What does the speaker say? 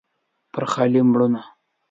پر خالي مړوند